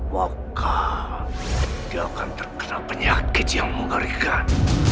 maka dia akan terkena penyakit yang mengerikan